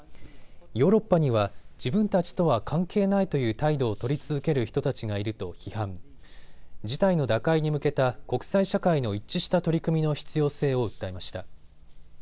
ヨーロッパには自分たちとは関係ないという態度を取り続ける人たちがいると批判、事態の打開に向けた国際社会の一致した取り組みの必要性を訴えました。